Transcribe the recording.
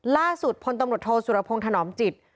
ล่าสุดพนตรโทสุรพงษ์ถนอมจิต